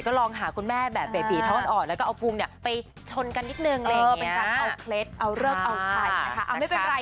เป็นการเอาเคล็ดมาเลือกว่าทำไม